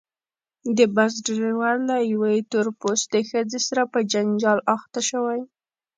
د بس ډریور له یوې تور پوستې ښځې سره په جنجال اخته شوی.